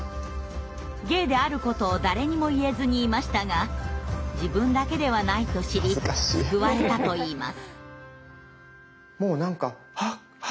ゲイであることを誰にも言えずにいましたが自分だけではないと知り救われたといいます。